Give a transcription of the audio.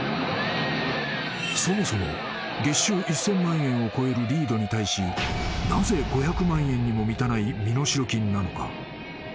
［そもそも月収１，０００万円を超えるリードに対しなぜ５００万円にも満たない身代金なのか？］